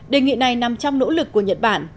đề nghị này nằm trong nỗ lực của nhật bản